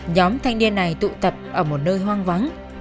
nhóm thanh niên này tụ tập ở một nơi hoang vắng